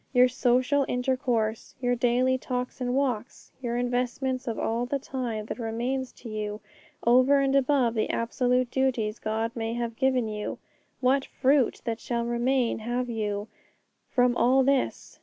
Your social intercourse, your daily talks and walks, your investments of all the time that remains to you over and above the absolute duties God may have given you, what fruit that shall remain have you from all this?